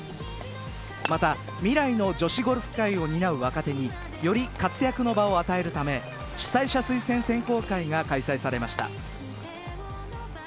また未来の女子ゴルフ界を担う若手により活躍の場を与えるため主催者推薦選考会が開催されました。